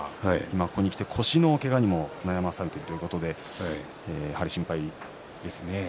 ここにきて、腰のけがにも悩まされているということでやはり心配ですね。